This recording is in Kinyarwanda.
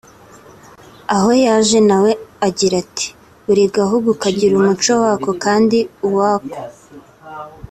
aho yaje na we agira ati ”Buri gahugu kagira umuco wako akandi uwako